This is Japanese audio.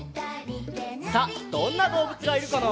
さあどんなどうぶつがいるかな？